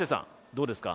どうですか？